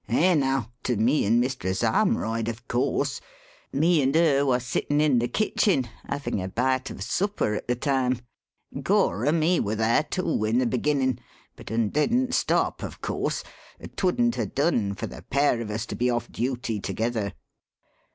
"Eh, now! to me and Mistress Armroyd, of course. Me and her war sittin' in the kitchen havin' a bite o' supper at the time. Gorham, he war there, too, in the beginnin'; but un didn't stop, of course 'twouldn't 'a' done for the pair of us to be off duty together."